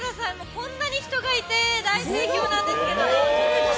こんなに人がいて大盛況なんですけど。